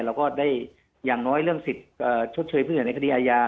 เราก็ได้อย่างน้อยเรื่องสิทธิ์ชดเชยเพื่อเห็นในคดีอาญา